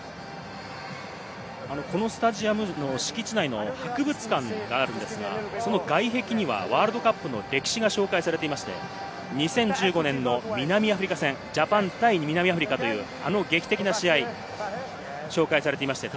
このスタジアムの敷地内に博物館があるんですが、その外壁にはワールドカップの歴史が紹介されていまして、２０１５年の南アフリカ戦、ジャパン対南アフリカというあの劇的な試合が紹介されていました。